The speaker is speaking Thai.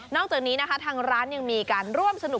จากนี้นะคะทางร้านยังมีการร่วมสนุก